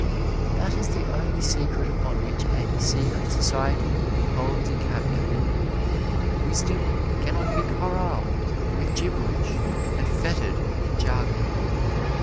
That is the only secret upon which any secret society holds a caveat. Wisdom can not be corraled with gibberish and fettered in jargon.